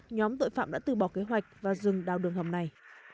nhóm tội phạm đã từ bỏ kế hoạch và dừng đào đường hầm này